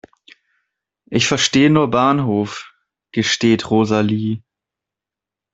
"Ich verstehe nur Bahnhof", gesteht Rosalie.